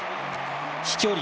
飛距離